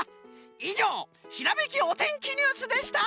いじょうひらめきおてんきニュースでした！